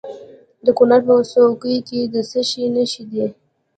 د کونړ په څوکۍ کې د څه شي نښې دي؟